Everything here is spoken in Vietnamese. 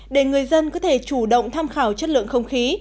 để người dân có thể chủ động tham khảo chất lượng không khí